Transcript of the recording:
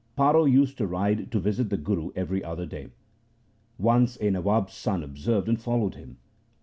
Paro used to ride to visit the Guru every other day. Once a Nawab's son observed and followed him.